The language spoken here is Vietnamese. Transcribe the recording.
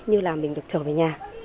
như là mình được trở về nhà